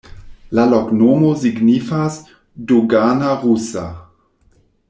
La loknomo signifas: dogana-rusa.